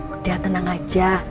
udah tenang aja